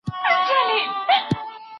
د زړه لپاره مالګه کمه کړه